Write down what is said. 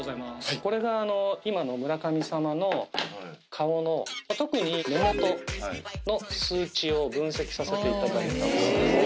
これが今の村上様の顔の特に目元の数値を分析させていただいたものです